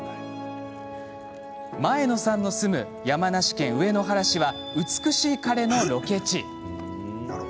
前野さんの住む山梨県上野原市は「美しい彼」のロケ地。